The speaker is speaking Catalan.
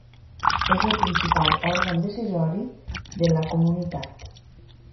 És el principal òrgan decisori de la Comunitat.